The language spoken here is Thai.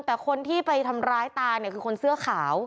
แต่คนที่ไปทำร้ายตาเนี่ยคือคนเสื้อขาว